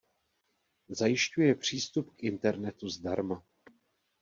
Zajišťuje přístup k internetu zdarma.